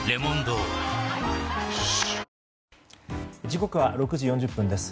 時刻は６時４０分です。